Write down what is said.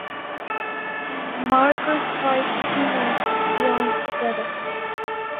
Mar gur saghas pionóis a bhí ann sa deireadh.